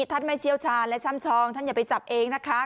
ท่านไม่เชี่ยวชาญและช่ำชองท่านอย่าไปจับเองนะคะ